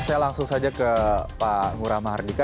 saya langsung saja ke pak ngurah mahar dika